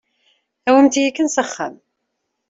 Awimt-iyi kan s axxam.